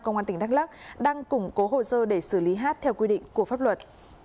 công an tỉnh đắk lắc đang củng cố hồ sơ để xử lý hát theo quy định của pháp luật